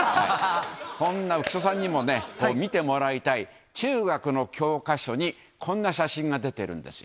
こんな浮所さんにも見てもらいたい、中学の教科書にこんな写真が出てるんですよ。